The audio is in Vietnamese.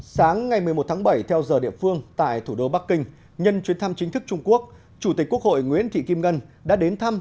sáng ngày một mươi một tháng bảy theo giờ địa phương tại thủ đô bắc kinh nhân chuyến thăm chính thức trung quốc chủ tịch quốc hội nguyễn thị kim ngân đã đến thăm